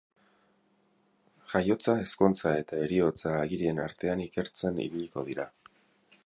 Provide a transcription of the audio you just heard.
Jaiotza, ezkontza eta heriotza agirien artean ikertzen ibiliko dira.